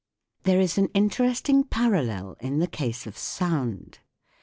There is an interest ing parallel in the case of sound.